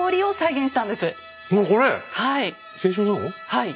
はい。